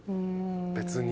別に。